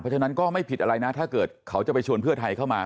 ฉะนั้นก็ไม่ผิดอะไรนะถ้าเกิดเขาจะไปชวนเพื่อไทยเข้ามา